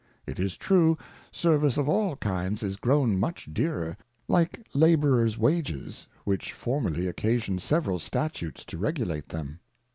It is true, Service of all kinds is grown much dearer, like Labourer's Wages, which formerly occasioned several Statutes to regulate them.